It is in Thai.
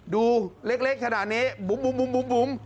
ดูเล็กขนาดนี้บุ๋ม